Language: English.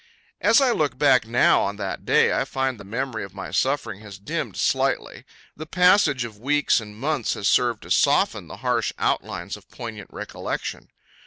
As I look back now on that day I find the memory of my suffering has dimmed slightly. The passage of weeks and months has served to soften the harsh outlines of poignant recollection.